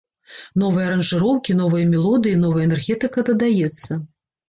Новыя аранжыроўкі, новыя мелодыі, новая энергетыка дадаецца.